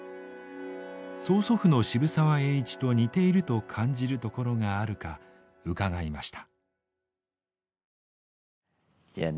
曽祖父の渋沢栄一と似ていると感じるところがあるか伺いました。